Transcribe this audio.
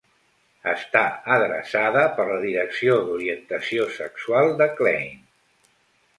Està adreçada per la Direcció d'Orientació Sexual de Klein.